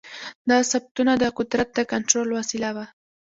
دا ثبتونه د قدرت د کنټرول وسیله وه.